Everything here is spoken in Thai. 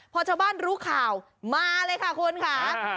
พอชาวบ้านรู้ข่าวมาเลยค่ะคุณค่ะ